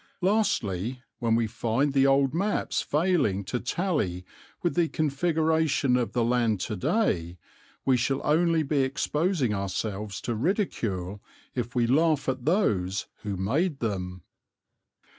Lastly, when we find the old maps failing to tally with the configuration of the land to day, we shall only be exposing ourselves to ridicule if we laugh at those who made them.